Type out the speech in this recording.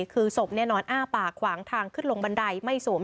คือศพนอนอ้าปากขวางทางขึ้นลงบันไดไม่สวม